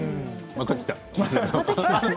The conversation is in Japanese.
またきた。